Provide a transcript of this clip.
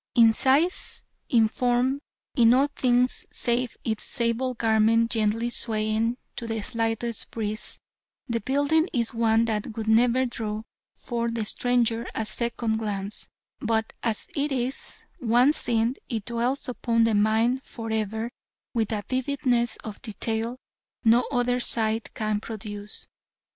In size, in form, in all things save its sable garment gently swaying to the slightest breeze, the building is one that would never draw from the stranger a second glance, but as it is, once seen it dwells upon the mind for ever with a vividness of detail no other sight can produce.